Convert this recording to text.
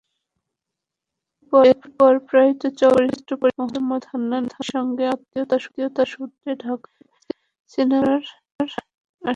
এরপর প্রয়াত চলচ্চিত্র পরিচালক মোহাম্মদ হান্নানের সঙ্গে আত্মীয়তাসূত্রে ঢাকার সিনেমাপাড়ায় আসা।